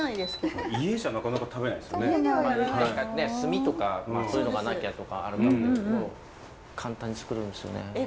炭とかそういうのがなきゃとかあるかもだけど簡単に作るんですよね。